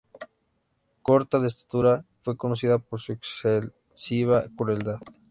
Corta de estatura, fue conocida por su excesiva crueldad.